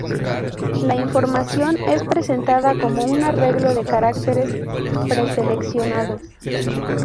La información es presentada como un arreglo de caracteres preseleccionados.